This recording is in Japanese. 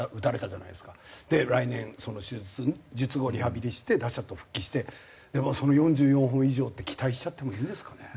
来年その手術術後リハビリして打者と復帰してその４４本以上って期待しちゃってもいいんですかね。